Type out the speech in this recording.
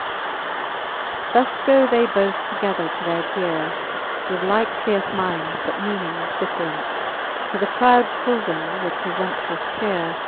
Thus go they both together to their geare, With like fierce minds, but meaning different : For the proud Souldan with prefumptuous chearc.